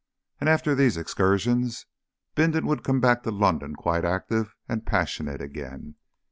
And after these excursions, Bindon would come back to London quite active and passionate again.